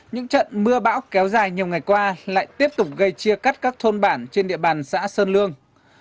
những trận mưa bão kéo dài nhiều ngày qua lại tiếp tục gây chia cắt các thôn bản trên địa bàn xã sơn lương